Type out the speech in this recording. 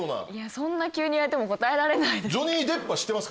そんな急に言われても答えられないです。